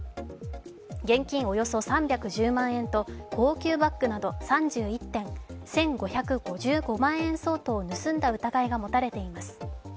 現金およそ３１０万円と高級バッグなど３１点、１５５５万円相当を盗んだ疑いが持たれています。